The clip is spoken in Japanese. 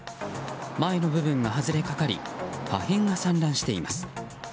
前の部分が外れかかり破片が散乱しています。